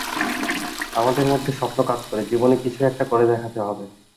আমাদের মধ্যে স্বপ্ন কাজ করে, জীবনে কিছু একটা করে দেখাতে হবে।